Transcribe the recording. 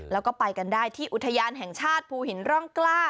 แล้วก็ไปกันได้ที่อุทยานแห่งชาติภูหินร่องกล้า